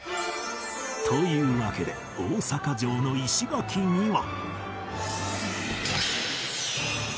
というわけで大阪城の石垣には